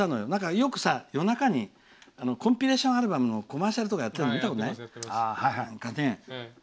よくさ、夜中にコンピレーションアルバムの ＣＭ とかやってたのを見たことない？